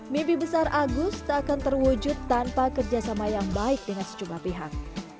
mimpi besar agus tak akan terwujud tanpa kerjasama yang baik dengan sejumlah pihak